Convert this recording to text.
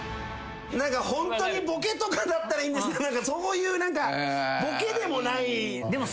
ホントにボケとかだったらいいんですけどボケでもない。